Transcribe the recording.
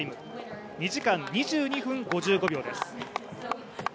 ２時間２２分５５秒です。